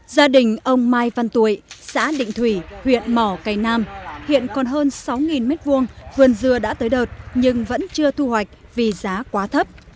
gia đình ông mai văn tụi xã định thủy huyện mỏ cây nam hiện còn hơn sáu m hai vườn dưa đã tới đợt nhưng vẫn chưa thu hoạch vì giá quá thấp